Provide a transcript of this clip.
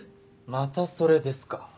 またそれですか。